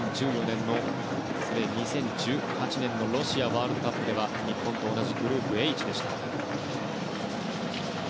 ２０１８年のロシアワールドカップでは日本と同じグループＨでした。